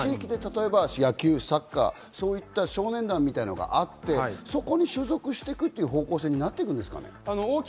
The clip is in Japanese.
例えば野球、サッカー、そういった少年団みたいなのがあって、そこに所属していくという方向性になっていくんですかね。